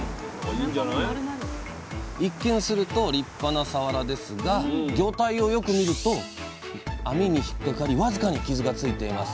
一見すると立派なさわらですが魚体をよく見ると網に引っ掛かり僅かに傷がついています。